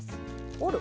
折る？